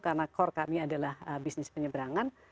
karena core kami adalah bisnis penyebrangan